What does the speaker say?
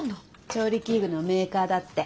調理器具のメーカーだって。